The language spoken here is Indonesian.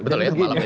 betul ya pak lembe